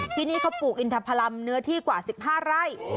ที่นี่เขาปลูกอินทพลัมเนื้อที่กว่า๑๕ไร่